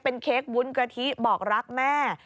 เค้กวุ้นกะทิบอกรักแม่